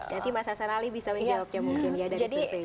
jadi mas hasan ali bisa menjawabnya mungkin ya dari sesei